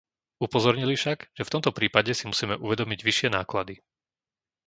Upozornili však, že v tomto prípade si musíme uvedomiť vyššie náklady.